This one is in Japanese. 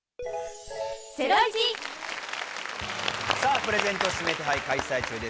プレゼント指名手配開催中です。